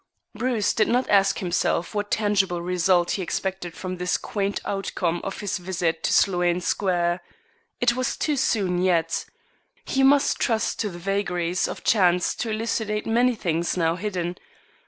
Bruce did not ask himself what tangible result he expected from this quaint outcome of his visit to Sloane Square. It was too soon yet. He must trust to the vagaries of chance to elucidate many things now hidden.